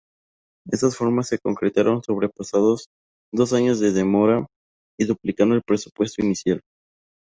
Estas reformas se concretaron sobrepasados dos años de demora y duplicando el presupuesto inicial.